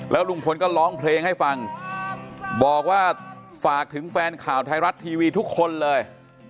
ลุงพลก็ร้องเพลงให้ฟังบอกว่าฝากถึงแฟนข่าวไทยรัฐทีวีทุกคนเลย